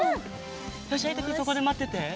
よしえいとくんそこでまってて。